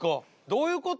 どういうこと？